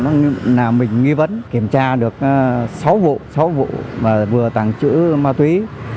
nó làm mình nghi vấn kiểm tra được sáu vụ sáu vụ mà vừa tặng chữ ma túy